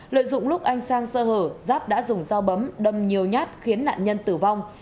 lợi dụng lúc anh sang sơ hở giáp đã dùng dao bấm đâm nhiều nhát khiến nạn nhân tử vong